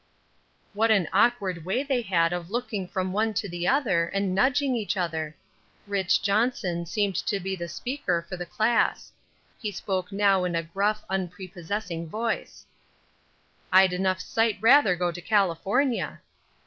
What an awkward way they had of looking from one to the other, and nudging each other. Rich. Johnson seemed to be the speaker for the class. He spoke now in a gruff, unprepossessing voice; "I'd enough sight rather go to California."